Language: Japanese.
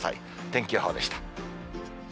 天気予報でした。